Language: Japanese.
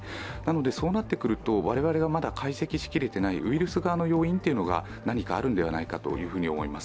そうなってくると、我々がまだ解析しきれていない、ウイルス側の要因が何かあるのではないかと思います。